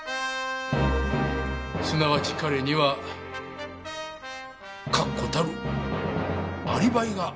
すなわち彼には確固たるアリバイがある。